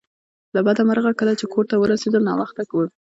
له بده مرغه کله چې کور ته ورسیدل ناوخته و